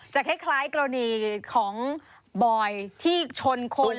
คล้ายกรณีของบอยที่ชนคน